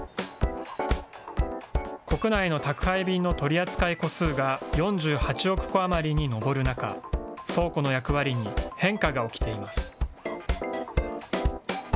国内の宅配便の取り扱い個数が４８億個余りに上る中、倉庫の役割に変化が起きています。